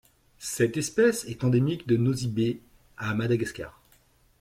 Cette espèce est endémique de Nosy Be à Madagascar.